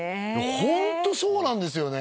ホントそうなんですよね